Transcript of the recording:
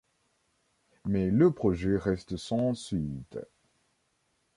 Mais le projet reste sans suite.